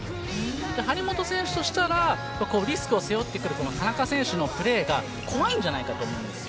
張本選手としたらリスクを背負ってくる田中選手のプレーが怖いんじゃないかと思うんです。